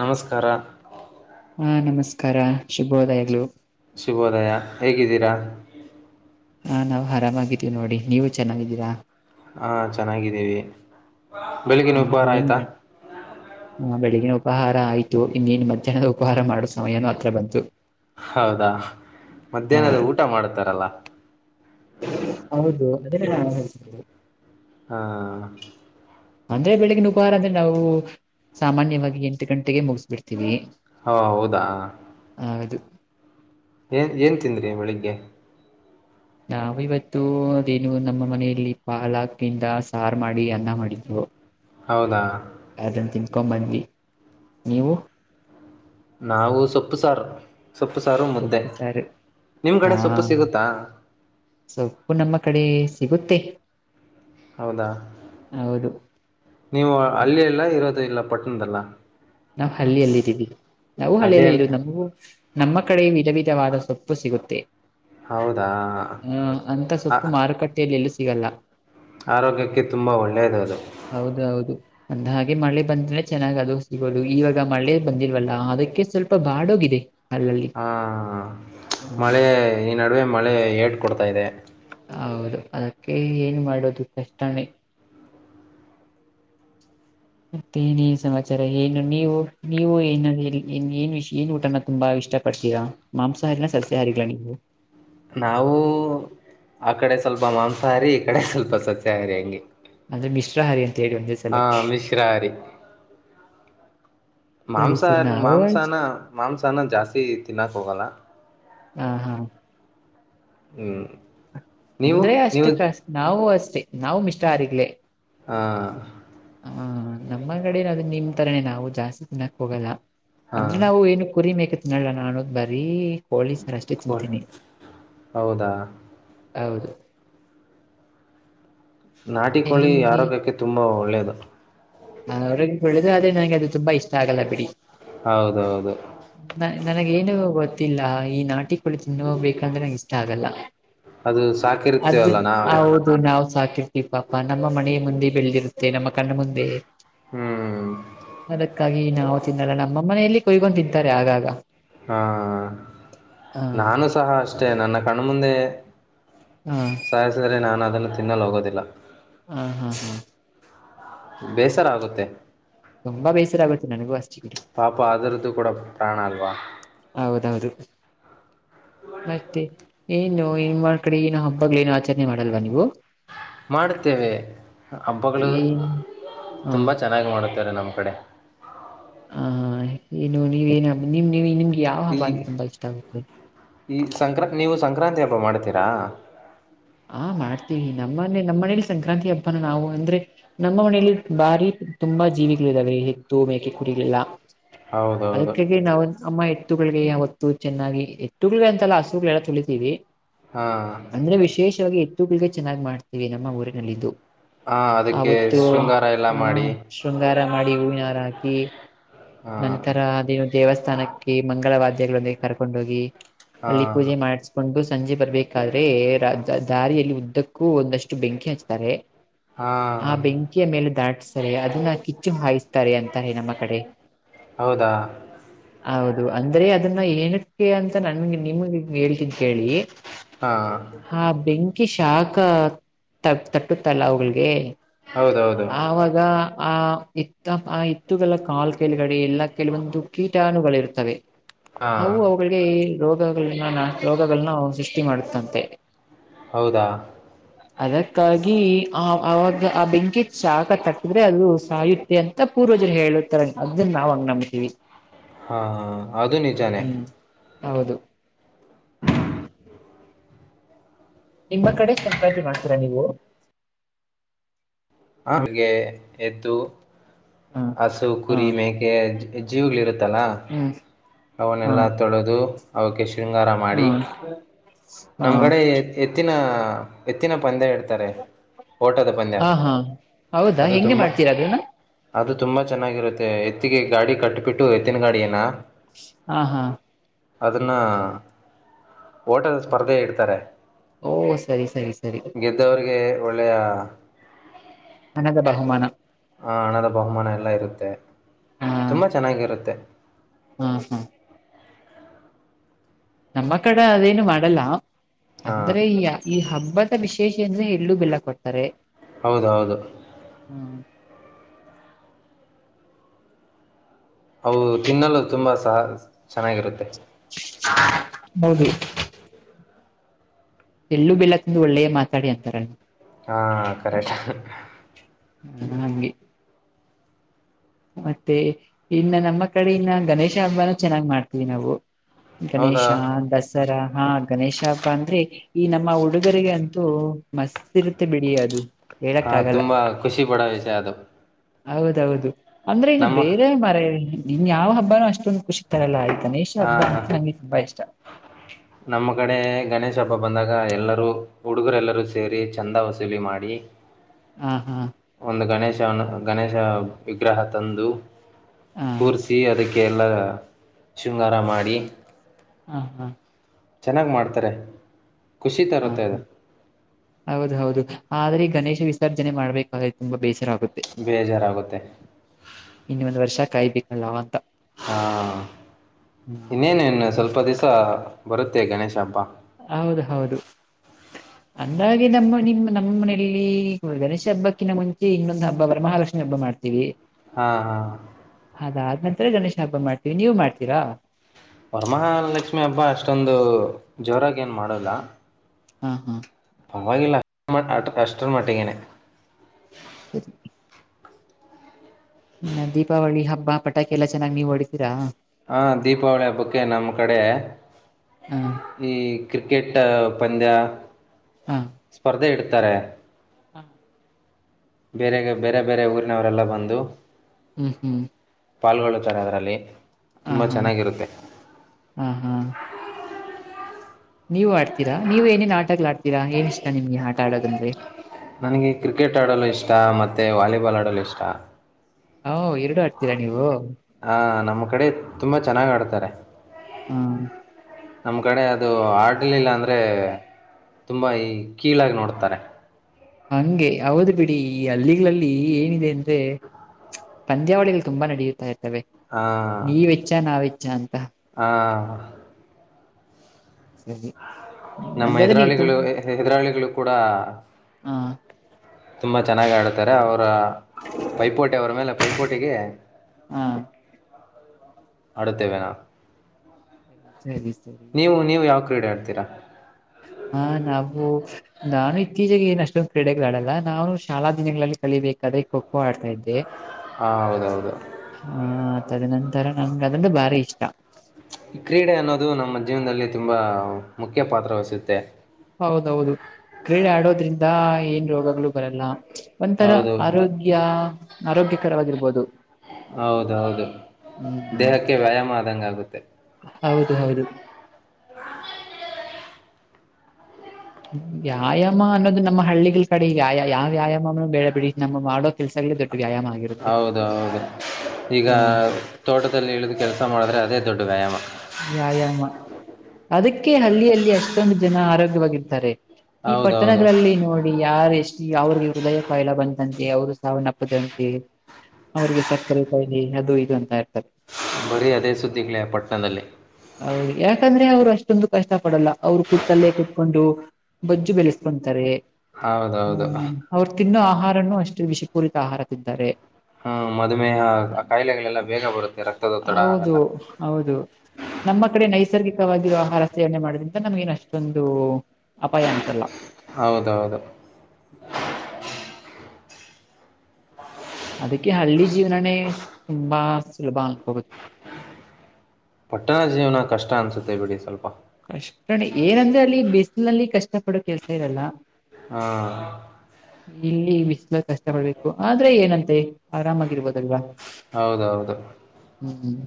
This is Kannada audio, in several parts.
ನಮಸ್ಕಾರ ಹಾ ನಮಸ್ಕಾರ ಶುಭೋದಯಗಳು ಶುಭೋದಯ ಹೇಗಿದ್ದೀರಾ ಹಾ ನಾವು ಆರಾಮಾಗಿದೀವಿ ನೋಡಿ ನೀವು ಚೆನ್ನಾಗಿದ್ದೀರಾ ಹಾ ಚೆನ್ನಾಗಿದ್ದೀವಿ ಬೆಳಿಗಿನ ಉಪಹಾರ ಆಯ್ತಾ ಹ ಬೆಳಿಗಿನ ಉಪಹಾರ ಆಯ್ತು ಇನ್ನನ್ ಮಧ್ಯಾಹ್ನದ ಉಪಹಾರ ಮಾಡೋ ಸಮಯನೂ ಹತ್ರ ಬಂತು ಹೌದಾ ಮಧ್ಯಾಹ್ನದ ಊಟ ಮಾಡತಾರಲ್ಲ ಹೌದು ಅದನ್ನ ನಾಬುದು ಹಾ ಅಂದ್ರೆ ಬೆಳಿಗ್ಗೆ ಉಪಹಾರ ಅಂದ್ರೆ ನಾವು ಸಾಮಾನ್ಯವಾಗಿ ಎಂಟು ಗಂಟೆಗೆ ಮುಗಿಸ್ಬಿಡ್ತೀವಿ ಹಾ ಹೌದಾ ಹೌದು ಏನ್ ಏನ್ ತಿಂದ್ರಿ ಬೆಳಿಗ್ಗೆ ನಾವವು ಇವತ್ತು ಅದೇನು ನಮ್ಮ ಮನೆಯಲ್ಲಿ ಪಾಲಕಿಂದ ಸಾರು ಮಾಡಿ ಅನ್ನ ಮಾಡಿಧ್ರ್ ಹೌದಾ ತಿಂಕೊಂಡು ಬಂದ್ವಿ ನೀವು ನಾವು ಸೊಪ್ಪು ಸಾರು ಸೊಪ್ಪು ಸಾರು ಮುದ್ದೆ ಸೊಪ್ಪು ಸಾರು ನಿಮ್ ಹಾ ಕಡೆ ಸೊಪ್ಪು ಸಿಗುತ್ತಾ ಸೊಪ್ಪು ನಮ್ಮ ಕಡೆ ಸಿಗುತ್ತೆ ಹೌದಾ ಹೌದು ನೀವು ಹಳ್ಳಿ ಅಲ್ಲ ಇರೋದು ಇಲ್ಲ ಪಟ್ಟಣದಲ್ಲ ನಾವವು ಹಲ್ಲಿಯಲ್ಲಿ ಇದ್ದೀವಿ ನಾವು ಹಲ್ಲಿಯಲ್ಲಿ ಹಳ್ಳಿಯಲ್ಲಿ ಇದವಿ ನಮವು ನಮ್ಮ ಕಡೆ ವಿಧವ ವಾದ ಸೊಪ್ಪು ಸಿಗುತ್ತೆ ಹೌದಾ ಆ ಅಂತ ಆ- ಸೊಪ್ಪು ಮಾರುಕಟ್ಟೆಯಲ್ಲಿ ಎಲ್ಲಿ ಸಿಗಲ್ಲ ಆರೋಗ್ಯಕ್ಕೆ ತುಂಬ ಒಳ್ಳೆಯದು ಅದು ಒಂದ್ ಹಾಗೆ ಮಳೆ ಬಂದ್ರೆ ಚೆನ್ನಾಗ್ ಅದು ಇಗೋದು ಈವಾಗ ಮಳೆ ಬಂದಿಲ್ವಲ್ಲ ಅದಕ್ಕೆ ಸ್ವಲ್ಪ ಬಾಡ ಹೋಗಿದೆ ಹಾ ಮಳೆ ಈ ನಡುವೆ ಮಳೆ ಏಟ್ ಕೊಡ್ತಾ ಇದೆ ಹೌದು ಅದಕ್ಕೆ ಏನ್ ಮಾಡೋದು ಕಷ್ಟನೇ ಹ [inaudible] ಮತ್ತೆನನ್ ಸಮಾಚಾರ ಏನು ನೀವು ನೀವು ಏ ಏನ್ಷ ಏನ್ ಊಟನ ತುಂಬಾ ಇಷ್ಟ ಪಡ್ತೀರಾ ಮಾಂಸಾಹಾರಿನ ಸಸ್ಯ ಹಾರಿನಾ ನೀವು ನಾವು ಆ ಕಡೆ ಸ್ವಲ್ಪ ಮಾಂಸಾಹಾರಿ ಈ ಕಡೆ ಸ್ವಲ್ಪ ಸಸ್ಯಾಹಾರಿ ಹಂಗೆ ಅದು ಮಿಶ್ರಾಹಾರಿ ಹೇಳಿ ಒಂದೇ ಹಾ ಸಲಕ್ಕೆ ಮಿಶ್ರಾಹಾರಿ ಸರಿ ಮಾಂಸ ಸರ್ ನಾವು ಮಾಂಸಾನ ಮಾಂಸನ ಜಾಸ್ತಿ ತಿನ್ನಕ್ ಹೋಗಲ್ಲ ಹಾ ಹಾ ಹ್ಮ್ ನೀವು ಅಂದ್ರೆ ನೀವು ಅಷ್ಟು ಕಷ್ಟ ನಾವು ಅಷ್ಟೇ ನಾವು ಮಿಷ್ಟ ಆಾರಿಗ್ಲೆ ಹಾ ಹ ನಮ್ಮಗಡೆನ ಅದ ನಿಮ್ ತರನನೆ ನಾವು ಜಾಸ್ತಿ ತಿನ್ನಾಕ್ ಹೋಗಲ್ಲ ಹಾ ಅಂದ್ರೆ ನಾವು ಏನು ಕುರಿಬೇಕೇಕತ್ನಳ ನಾನದ್ ಬರೀ ಪೊಲೀಸರಷ್ಟೇ ಕೋಳಿ ತಿಲ್ಂತೀನಿ ಹೌದಾ ಹೌದು ನಾಟಿ ಕೋಳಿ ಆರೋಗ್ಯಕ್ಕೆ ತುಂಬಾ ಒಳ್ಳೇದು ಅವ್ರ ಬೆಳಿದ ಆದ್ರೆ ನಂಗೆ ಅದು ತುಂಬಾ ಇಷ್ಟ ಆಗಲ್ಲ ಬಿಡಿ ಹೌದೌದು ನನಗ ಏನು ಗೊತ್ತಿಲ್ಲ ಈ ನಾಟಿಗಳು ತಿನ್ೋಗ್ಬೇಕಂದ್ರೆ ನಂಗೆ ಇಷ್ಟ ಆಗಲ್ಲ ಅದು ಅದ ಸಾಕಿರ್ತೀವಲ್ಲ ನಾವೇ ಹೌದು ನಾವವು್ ಸಾಕ ರ್ತಿೀ ಪಾಪಾ ನಮ್ಮ ಮನ ಮುಂದೆ ಬೆಳೆದಿರುತ್ತೆ ನಮ್ಮ ಕಣ್ಣ ಮುಂದೆ ಹ್ಮ್ ಅದಕ್ಕಾಗಿ ನಾವು ತಿನ್ನಲ್ಲ ನಮ್ಮ ಮನೆಯಲ್ಲಿ ಕೊಯ್ಕೊಂಡ ತಿಂತಾರೆ ಆಗಾಗ ಹಾ ಹ ನಾನು ಸಹ ಅಷ್ಟೆ ನನ್ನ ಕಣ ಮುುಂದೆ ಹ ಸಾಯಿಸಿದ್ರರೆೆ ನಾನು ಅದನ್ನು ತಿನ್ನಲು ಹೋಗೋದಿಲ್ಲ ಹಾ ಹಾ ಹಾ ಬೇಸರ ಆಗುತ್ತೆ ತುಂಬಾ ಬೇಸರ ಆಗುತ್ತೆ ನನಗೂ ಅ ಪಾಪ ಅದರದ್ದು ಕೂಡ ಪ್ರಾಣ ಅಲ್ವಾ ಹೌದೌದು ಮತ್ತೆ ಏ ಇನ್ನು ಇನ್ಳ ಕಡೆ ಇ ಹಬ್ಬಗ್ಏನು ಆಚರಣೆ ಮಾಡಲ್ವ ನೀವು ಮಾಡುತ್ತೇವೆ ಹಬ್ಬಗಳು ಏನ್ ಹ ತುಂಬ ಚೆನ್ನಾಗಿ ಮಾಡುತ್ತಾರೆ ನಮ ಅಡೆ ಹ ಏನು ನೀವೇನ ಹಬ್ ನಿಮ್ ನೀ ನಿಮ್ಗೆ ಯಾವ ಈ ಹಬ್ಬ ಅಂತ ತುಂಬಾ ಇಷ್ಟ ಆಗುತ್ತೆ ಈ ಸಂಕ್ರ ನೀವು ಸಂಕ್ರಾಂತಿ ಹಬ್ಬ ಮಾಡ್ತೀರಾ ನನೆ ನಮ್ಮ ಮನೇಲಿ ಸಂಕ್ರಾಂತಿ ಹಬ್ಬಾನ ನಾವು ಅಂದ್ರೆ ನಮ್ಮ ಮನೆಯಲ್ಲಿ ಬಾರಿ ತುಂಬಾ ಜೀವಿಗಳು ಇದಾವೆ ತ್ತುು ಮೇಕೆ ಕುಡಿಲಿಲ್ಲ ಹೌದೌದು ಅದಕ್ಕಾಗಿ ನಾವು ಅಮ್ಮ ಎತ್ತುುಗಳಿಗೆ ಹೊತ್ತು ಚೆನ್ನಾಗಿ ಎಟ್ಟುಗಳಿಗೆ ಅಂತೆಲ್ಲ ಹಸುಗಳೆಲ್ಲ ತೊಳಿತೀವಿ ಹಾ ಎತ್ತುಗಳಿಗೆ ಚೆನ್ನ್ ಮಾಡ್ತತಿವಿ ನಮ್ಮ ಊರಿನಲ್ಲಿಿದ್ದು ಹಾಂ ಅದಕ್ಕೆ ಆತ್ತು ಶೃಂಗಾರ ಎಲ್ಲ ಹ ಮಾಡಿ ಶೃಂಗಾರ ಮಾಡಿ ಹೂವಿನಾರ ಹಾಕಿ ಹಾಂ ನಂತರ ಅದ ದೇವಸ್ಥಾನಕ್ಕೆ ಮಂಗಳ ವಾದ್ಯಗಳೊಂದಿಗೆ ಕರ್ಕೊಂಡ ಹೋಗಿ ಅಲ್ಲಿ ಹಾಂ ಪೂಜೆ ಮಾಡಸ್ಕೊಂಡು ಸಂಜೆ ಬರ್ಬೇಕಾದ್ರೆ ದಾರಿಯಲ್ಲಿ ಉದ್ದಕ್ಕೂ ಒಂದಷ್ಟು ಬೆಂಕಿ ಹಚ್ತಾರೆ ಹಾಂ ಆ ಬೆಂಕಿಯ ಮೇಲೆ ದಾಟಸ್ತಾರೆ ಅದನ್ನ ಕಿಚ್ಚು ಹಾಯಿಸ್ತಾರೆ ಅಂತಾರೆ ನಮ್ಮ ಕಡೆ ಹೌದಾ ಹೌದು ಅಂದ್ರೆ ಅದನ್ನ ಏನಕ್ಕೆ ಅಂತ ನನ್ಗೆ ನಿಮಗೆ ಹೇಳ್ತನ್ ಕೇಳಿ ಹಾಂ ಹಾ ಬೆಂ ಹಿ ಶಾಖ ತ ತಟ್ಟುತ್ತಲ್ಲ ಅವವುಿಗೆ ಹೌದೌದು ಆವಾಗ ಆ ಇತ್ತ ಆ ಹಿತ್ತುಗಳ ಕಾಲ್ ಕೆಲುಗಡೆ ಎಲ್ಲ ಕೆಲವೊಂದು ಕೀಟಾಣುಗಳ ಇರ್ತವೆ ಹಾಂ ಅವು ಅವುಗಳಿಗೆ ರೋಗಗಳನ್ನ ನ ರೋಗಗಳನ್ನ ಸೃಷ್ಟಿ ಮಾಡುತ್ತಂತೆ ಹೌದಾ ಅದಕ್ಕಾಗಿ ಆ ಅವಾಗ ಆ ಬೆಂಕಿ ಶಾಕ ತಟ್ಟಿದ್ರೆ ಅದು ಸಾಯುತ್ತೆ ಅಂತ ಪೂರ್ ್ರ ಹೇಳತರ ಅದನ್ನ ನಾಾವ ಹಂಗ್ ನಂಬ್ತೀವಿ ಹಾ ಅದು ನಿಜಾನೆ ಹ್ಮ್ ಹೌದು ಹ ನಿಮ್ಮ ಕಡೆ ಸಂಪಾತಿ ಮಾಡ್ತೀರಾ ನೀವು ನಮಗೆ ಎ್ದು ಹ ಹಸು ಹ ಕುರಿ ಮೇಕೆ ಜೀವುಗಳ ಇರುತ್ತಲ್ಲ ಹ್ಮ್ ಹ ಅವನ್ನೆಲ್ಲಾ ತೊಳೆದು ಅವಕ್ಕೆ ಶೃಂಗಾರ ಮಾಡಿ ಹ ಹ ನಮ್ಮ ಕಡೆ ಎತ್ತಿನ ಹ ಎತ್ತಿನ ಪಂದ್ಯ ಇಡ್ತಾರೆ ಓಟದ ಪಂದಯ ಹ ಹಾ ಹೌದಾ ಅದು ಹೆಂಗೆ ತುಂಬಾ ಮಾಡ್ತೀರಾ ಅದನ್ನ ಅದು ತುಂಬ ಚೆನ್ನಾಗಿರುತ್ತೆ ಎತ್ತಿಗೆ ಗಾಡಿ ಕಟ್ಟಿಬಿಟ್ಟು ಎತ್ತಿನ ಗಾಡಿಯನ್ನು ಹಾ ಹಾ ಅದನ್ನ ಓಟದ ಸ್ಪರ್ಧೆ ಇಡ್ತಾರೆ ಓ ಸರಿ ಸರಿ ಸರಿ ಗೆದ್ದವರಿಗೆ ಒಳ್ಳೆಯ ನನಗೆ [unintelligible] ಬಹುಮಾನ ಹಣದ ಬಹುಮಾನ ಎಲ್ಲ ಇರುತ್ತೆ ತುಂಬ ಚೆನ್ನಾಗಿರುತ್ತೆ ಹ್ಮ್ ಹ್ಮ್ ನಮ್ಮ ಕಡೆ ಅದೇನು ಮಾಡಲ್ಲ ಹಾಂ ಅಂದ್ರೆ ಈ ಈ ಹಬ್ಬದ ವಿಶೇಷ ಎಲ್ಲು ಬೆಲ್ಲ ಕೊಡ್ತಾರೆ ಹೌದ ಹೌದು ಹ್ಮ ಹೌದು ತಿನ್ನಲು ತುಂಬಾ ಸ ಚೆನ್ನಾಗಿರುತ್ತೆ. [inaudible] ಹೌದು ಎಲ್ಲು ಬೆಲ್ಲ ತಿಂದು ಒಳ್ಳೆಯ ಮಾತಾಡಿ ಅಂತಾರ. ಹಾ ಕರೆಕ್ಟ್. [inaudible] ಹಂಗೆ ಮತ್ತೆ ಇನ್ನ ನಮ್ಮ ಕಡೆ ಇನ್ನ ಗಣೇಶ ಹಬ್ಬಾನ ಚೆನ್ನಾಗ್ ಮಾಡ್ತೀವಿ ನಾವು. ಹೌದಾ ಗಣೇಶ ದಸರಾ ಹಾ ಗಣೇಶ ಹಬ್ಬ ಅಂದ್ರೆ ಈ ನಮ್ಮ ಹುಡುಗರಿಗೆ ಅಂತ. ಮಸ್ ಇರುತ್ತೆ ಬಿಡಿ ಅದು ಹೇಳಕ್ಕ ಆಗಲ್ಲ. ನಿಜ ಅದು ಹೌದೌದು ಅಂದ್ರೆ ಇನ್ನು ನಮ್ಮ ಬೇರೆ ಮರ ನಿನ್ ಯಾವ ಹಬ್ಬಾನೂ ಅಷ್ಟೊಂದು ಖುಷಿ ತರಲ್ಲ ಆಯ. ಹಾ ನಮ್ಮ ಕಡೆ. ಗಣೇಶ ಹಬ್ಬ ಬಂದಾಗ ಎಲ್ಲರೂ ಹುಡುಗರೆಲ್ಲರೂ ಸೇರಿ ಚಂದ ವಸೂಲಿ ಮಾಡಿ. ಹ್ಮ ಹಾ. ಒಂದು ಗಣೇಶ ವಿಗ್ರಹ ತಂದು ಹಾ ಕೂರಿಸಿ ಅದಕ್ಕೆ. ಗೆಲ್ಲ ಶೃಂಗಾರ ಮಾಡಿ. ಹಾ ಹಾ. ಚೆನ್ನಾಗ್ ಮಾಡ್ತಾರೆ. ಖುಷಿ ಹಾ ತರುತ್ತೆ ಅದು ಹೌದು ಹೌದು ಆದ್ರೆ ಈಗ. ಗಣೇಶ ವಿಸರ್ಜನೆ ಮಾಡ್ಬೇಕ್ರೆ ತುಂಬ ಬೇಸರ ಬೇಜಾರಾಗುತ್ತೆ ಇನ್ನ ಒಂದ್ ವರ್ಷ ಕಾಯ್ಬೇಕಲ್ಲ ಅಂತ. ಹಾ ಇನ್ನೇನೇನ್ ಹ್ಮ್ ಸ್ವಲ್ಪ ದಿವಸ ಬರುತ್ತೆ ಗಣೇಶ ಹಬ್ಬ. ಹೌದು ಹೌದು. [unintelligible] ಅಂದಾಗೆ ನಮ್ಮ ನಿಮ್ಮ್ ನಮ್ಮನೆಯಲ್ಲಿ ಗಣೇಶ ಹಬ್ಬಕ್ಕಿಂತ ಮುಂಚೆ ಇನ್ನೊಂದು ಹಬ್ಬವರ ಮಹಾಲಕ್ಷ್ಮಿ ಹಬ್ಬ ಮಾಡ್ತಾರೆ ಮಾಡ್ತೀವಿ ಹಾ ಹಾ. ಅದಾದ ನಂತರ ಗಣೇಶ ಹಬ್ಬ ಮಾಡ್ತೀವಿ ನೀವು ಮಾಡ್ತೀರಾ. ವರಮಹಾಲಕ್ಷ್ಮಿ ಹಬ್ಬ ಅಷ್ಟೊಂದು ಜೋರಾಗಿ ಏನ್ ಮಾಡಲ್ಲ. ಹಾ ಹಾ. ಪವಾಗಿಲ್ಲ ಅಷ್ಟರ ಮಟ್ಟಗೇನೇ. ರಿ. [unintelligible] ಹ ದೀಪಾವಳಿ ಹಬ್ಬ ಪಟಾಕಿ ಎಲ್ಲಾ ಚೆನ್ನಾಗಿ್ ನೀವ್ ಹೊಡಿತೀರಾ. ಹ ದೀಪಾವಳಿಯ ಬಗ್ಗೆ ನಮ್ಮ ಕಡೆ ಹಾ ಈ ಕ್ರ ಕ್ರಿಕೆಟ್ ಪಂದ್ಯ ಸ್ಪರ್ಧೆ ಇಡ್ತಾರೆ. ಹಾ. [unintelligible] ಬೇರೆಗೆ ಬೇರೆ ಬೇರೆ ಊರಿನವರೆಲ್ಲ ಬಂದು. ಹ್ಮ್ ಹ್ಮ್. ಪಾಲ್ಗೊಳ್ಳುತ್ತಾರೆ ಅದರಲ್ಲಿ ಹ ತುಂಬ ಹಾ ಚೆನ್ನಾಗಿರುತ್ತೆ. ಹಾ ಹಾ ನೀವು ಆಡ್ತೀರಾ ನೀವ ಏನೇನ್ ಆಟ ಆಡ್ತೀರಾ ಏನ್ ಇಷ್ಟ ನಿಮ್ಗೆ ಆಟ ಆಡೋದಂದ್ರೆ. ನನಗೆ ಕ್ರಿಕೆಟ್ ಆಡಲು ಇಷ್ಟ ಮತ್ತೆ ವಾಲಿಬಾಲ್ ಆಡಲು ಇಷ್ಟ. ಹ ಎರಡು ಆಡ್ತೀರಾ ನೀವು. ಆ ಕಡೆ ತುಂಬ ಚೆನ್ನಾಗ್ ಆಡ್ತಾರೆ. ಹಾ. ನಮ್ ಕಡೆ ಅದು ಆಡ್ಲಿಲ್ಲ ಅಂದ್ರೆ ತುಂಬಾ ಈ ಕೀಳಾಗಿ ನೋಡ್ತಾರೆ. ಹಂಗೆ ಹೌದು ಬಿಡಿ ಈ ಹಳ್ಳಿಗಳಲ್ಲಿ ಏನಿದೆ ಅಂದ್ರೆ ಪಂದ್ಯಾವಳಿಗಳು ತುಂಬಾ ನಡೆಯುತ್ತಾ ಇ ನೀವೆಚ್ಚ ನಾವೆಚ್ಚ ಅಂತ. ಬರ. ಸರಿ ನಮ್ಮ ಹಂಗಾದ್ರೆ ನೀವು ತುಮ್ ಹೆದುರಾಳಿಗಳು ಹೆದುರಾಳಿಗಳು ಕೂಡ. ಹ ತುಂಬಾ ಚೆನ್ನಾಗ ಆಡ್ತಾರೆ ಅವರ ಪೈಪೋಟಿ ಅವರ ಮೇಲೆ ಪೈಪೋಟಿಗೆ. ಹಾ ಹಾಡುತ್ತೇವೆ ನ. [unintelligible] ಕ್ರೀಡಾಡ್ತೀರಾ ಹಾ ನಾವು ನಾನು ಇತ್ತೀಚೆಗೆ ಏನ ಅಷ್ಟೊಂದು ಕ್ರಡೆಗ್ಡಲ್ಲ ನಾನೂ ಶಾಲಾ ದಿನಗಳಲ್ಲಿ ಕಲಿಬೇಕ ಅದೇ ಖ ಖೋ ಆಡ್ತಾ ಇದ್ದೆ ಹಾ ಹೌದೌದು ತರ ನನ್ಂಗ ಅದ್ರೆ ಬಾರಿ ಇಷ್ಟ ಈ ಕ್ರೀಡೆ ಅನ್ನೋದು ನಮ್ಮ ಜೀವನದಲ್ಲಿ ತುಂಬಾ ಮುಖ್ಯ ಪಾತ್ರ ವಹಿಸುತ್ತೆ ಹೌದೌದು ಕ್ರೀಡೆ ಆಡೋದ್ರಿಂದ ಏನ್ ರೋಗಗಳು ಬರಲ್ಲ ಒಂಥರ ಹೌದು ಆರೋಗ್ಯ ಆರೋಗ್ಯಕರವಾಗಿರ್ಬೋದು ಹೌದ ಹೌದು ಹ್ಮ್ ಹ್ಮ್ ದೇಹಕ್ಕೆ ವ್ಯಾಯಾಮ ಆದಂಗಗುತ್ತೆ ಹೌದು ಹೌದು ವ್ಯಯಾಮ ಅನ್ನೋದು ನಮ್ಮ ಹಳ್ಳಿಲ್ ಕಡೆ ವ್ಯಾಯ ಯಾವ್ಯಾಯಾಮ ಬೆಳ ಬಿ ನಮ್ಮ ಮಾಡೋ ಕೆಲ್ಸಾಗಲೇ ದೊಡ್ಡ ವ್ಯಾಯಾಮ ಆಗಿರುತ್ತೆ ಹೌದು ಹೌದು ಈಗ ಹ ತೋಟದಲ್ಲಿ ಇಳಿದ ಕೆಲಸ ಮಾಡಿದ್ರೆ ಅದೇ ದೊಡ್ಡ ವ್ಯಾಯಾಮ ವ್ಯಾಯಾಮ ಅದಕ್ಕೆ ಹಳ್ಳಿಯಲ್ಲಿ ಅಷ್ಟೊಂದು ಜನ ಆರೋಗ್ಯವಾಗಿದ್ದಾರೆ ಈ ಹೌದೌದು ಪಟ್ಟಣಗಳಲ್ಲಿ ನೋಡಿ ಯಾರ್ ಎಷ್ಟು ಯಾವ್ರಿಗೆ ಹೃದಯ ಕಾಯಿಲೆ ಬಂತ ಅಂತೇ ಅವರು ಸಾವನ್ನಪ್ಪದಂತೆ ಅವ್ರಿಗೆ ಸಕ್ಕರೆ ಕಾಯಲಿ ಅದು ಇದು ಅಂತ ಇರ್ತಾರೆ ಬರಿ ಅದೇ ಸ್ದಲ ಪಟ್ಟ ಹೌದು ಯಾಕಂದ್ರೆ ಅವ್ರು ಅಷ್ಟೊಂದು ಕಷ್ಟ ಪಡಲ್ಲ ಅವರು ಕೂುತ್ತಲ್ಲೇ ಕುೂತ್ಕೊಂಡು ಬಜ್ಜು ಬೆಳೆಸ್ಕೊಂತಾರೆ ಹೌದೌದು ಹ್ಮ್ ಅವ್ರು ತಿನ್ನೋ ಆಹಾರನು ಅಷ್ಟು ವಿಶಿ ಹುರಿತ ಆ ಹಾರ ತಿದ್ದಾರೆ ಹ್ಮ ಮದಮೆಹ ಕಾಯಿಲೆಗಳೆಲ್ಲ ಬೇಗ ಬರುತ್ತೆ ರಕ್ತದೊತ್ತಡ ಅವೆಲ್ಲ ಹೌದು ಹೌದು ನಮ್ಮ ಕಡೆ ನೈಸರ್ಗಿಕವಾಗಿರುವ ಆಹಾರ ಸೇವನೆ ಮಾಡೋದ್ರಿಂದ ನಮ್ಗೇನ ಅಷ್ಟೊಂದು ಅಪಾಯ ಅನ್ಸಲ್ಲ ಹೌದೌದು ಅದಕ್ಕೆ ಹಳ್ಳಿ ಜೀವನನೇ ತುಂಬಾ ಸುಲಭ ಅನ್ಕೋಬೋದು ಪಟ್ಟಣ ಜೀವನ ಕಷ್ಟ ಅನ್ಸುತ್ತೆ ಬಿಡಿ ಸ್ವಲ್ಪ ಕಷ್ಟ ಏನಂದ್ರೆ ಅಲ್ಲಿ ಬಿಸಿಲ್ನಲ್ಲಿ ಕಷ್ಟ ಪಡೋ ಕೆಲ್ಸ ಇರಲ್ಲ ಹಾ ಕಷ್ಟಪಡ್ಬೇಕು ಆದ್ರೆ ಏನಂತೆ ಆರಾಮಾಗಿರ್ಬೋದಲ್ವಾ ಹೌದೌದು ಹ್ಮ್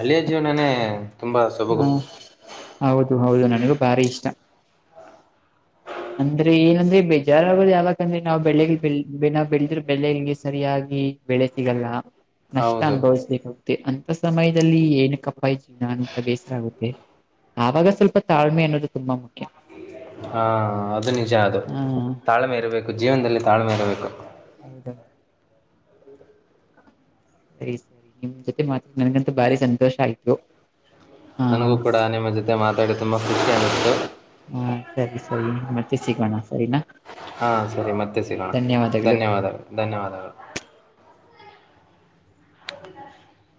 ಅಲ್ಲಿಯ ಜವನನೆ ಹಾ ಹೌದು ಹೌದು ನನಗೂ ಭಾರಿ ಇಷ್ಟ ಅಂದ್ರೆ ಏನಂದ್ರೆ ಬೇಜಾರಾಗ ಯಾವಕಂದ್ರೆ ನಾವ್ ಬೆಳ್ಳಿಗ್ ಬೆ ನಾವ್ ಬೆಳದ್ರ ಬೆಳೆಂಗೆ ಸರಿಯಾಗಿ ಬೆಳೆ ಸಿಗಲ್ಲ ನಷ್ಟ ಹೌದು ಅನುಭವಿಸ್ಬೇಕೋಗ ಸಮಯದಲ್ಲಿ ಏನ ಕಪ್ಪಾಯ್ ಚಿ ನಾನಂತ ಬೇಸರ ಆಗುತ್ತೆ ಆವಾಗ ಸ್ವಲ್ಪ ತಾಳ್ಮೆ ಅನ್ನೋದು ತುಂಬಾ ಮುಖ್ಯ ಹಾ ಅದು ನಿಜ ಅದು ಹಾ ತಾಳ್ಮೆ ಇರಬೇಕು ಜೀವನದಲ್ಲಿ ತಾಳ್ಮೆ ಇರಬೇಕು ಹೌದೌ [unintelligible] ಸರಿ ಸರಿ ನಿಮ್ ಜೊತೆ ಮಾತ ನನ್ಗಂತೂ ಭಾರಿ ಸಂತೋಷ ಆಯ್ತು ಹಾ ನನಗೂ ಕೂಡ ನಿಮ್ಮ ಜೊತೆ ಮಾತಾಡಿ ತುಂಬಾ ಖುಷಿ ಅನ್ನತ್ತು ಹಾ ಸರಿ ಸರಿ ಮತ್ತೆ ಸಿಗೋಣ ಸರಿನಾ ಹಾ ಸರಿ ಮತ್ತೆ ಸಿಗೋಣ ಧನ್ಯವಾದಗಳು ಧನ್ಯವಾದಗಳು ಹ